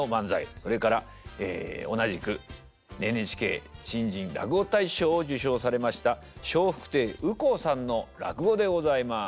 それから同じくＮＨＫ新人落語大賞を受賞されました笑福亭羽光さんの落語でございます。